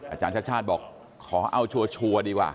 อาจารย์ชาติชาติบอกขอเอาชัวร์ดีกว่า